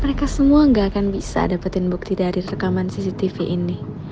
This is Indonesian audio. mereka semua nggak akan bisa dapetin bukti dari rekaman cctv ini